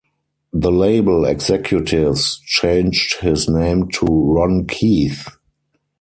The label executives changed his name to Ron Keith.